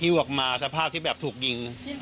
ฮี้วออกมาสภาพที่ถูกยิง